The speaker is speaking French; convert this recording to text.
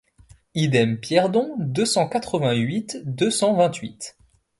Idem Pierdon deux cent quatre-vingt-huit deux cent vingt-huit.